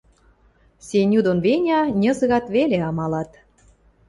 Сеню дон Веня ньызгат веле, амалат.